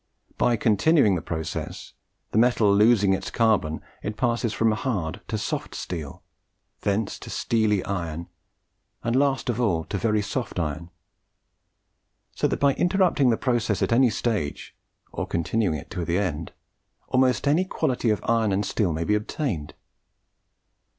By continuing the process, the metal losing its carbon, it passes from hard to soft steel, thence to steely iron, and last of all to very soft iron; so that by interrupting the process at any stage, or continuing it to the end, almost any quality of iron and steel may be obtained.